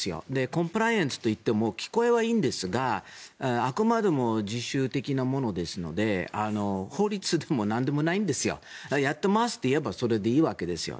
コンプライアンスといっても聞こえはいいんですがあくまでも自主的なものですので法律でもなんでもないんですよ。やってますと言えばそれでいいわけですよ。